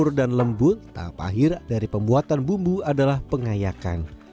telur dan lembut tahap akhir dari pembuatan bumbu adalah pengayakan